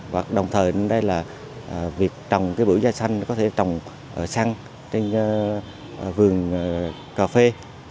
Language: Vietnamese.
và đồng thời đây là việc trồng cái bưởi da xanh có thể trồng ở săn trên vườn cà phê